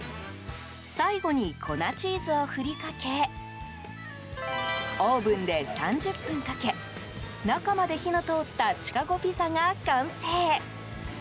最後に粉チーズを振りかけオーブンで３０分かけ中まで火の通ったシカゴピザが完成。